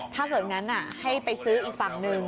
ถ้าเกิดงั้นให้ไปซื้ออีกฝั่งหนึ่ง